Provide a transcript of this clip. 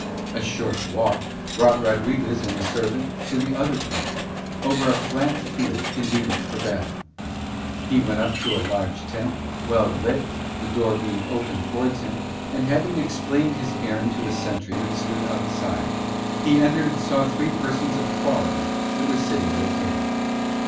A short walk brought Rodriguez and his servant to the other camp, over a flat field convenient for battle. He went up to a large tent well lit, the door being open towards him; and, having explained his errand to a sentry that stood outside, he entered and saw three persons of quality that were sitting at a table.